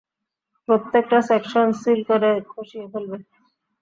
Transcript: প্রত্যেকটা section seal করে খসিয়ে ফেলবে।